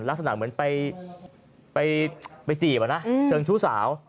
ลักษณะเหมือนไปจีบเชิงชู้สาว